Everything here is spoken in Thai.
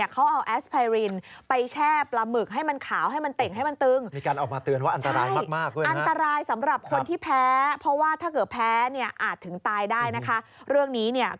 เขาเอาแอสไพรินไปแช่ปลาหมึกให้มันขาวให้มันเต็งให้มันตึง